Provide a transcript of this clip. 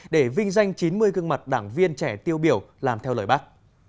để vinh danh chín mươi gương mặt đảng viên trẻ tiêu biểu làm theo lời bác